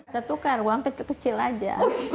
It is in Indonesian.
satu kar uang kecil kecil aja